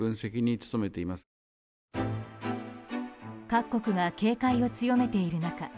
各国が警戒を強めている中